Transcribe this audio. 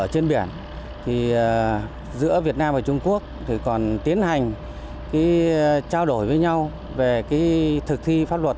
trên biển thì giữa việt nam và trung quốc còn tiến hành trao đổi với nhau về thực thi pháp luật